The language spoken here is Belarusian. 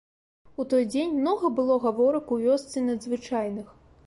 У той дзень многа было гаворак у вёсцы надзвычайных.